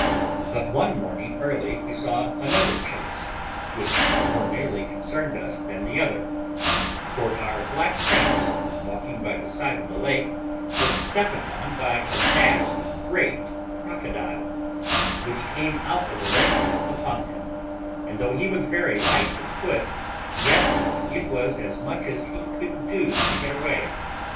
But one morning early we saw another chase, which more nearly concerned us than the other; for our black prince, walking by the side of the lake, was set upon by a vast, great crocodile, which came out of the lake upon him; and though he was very light of foot, yet it was as much as he could do to get away.